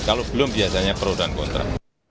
kalau belum biasanya pro dan kontra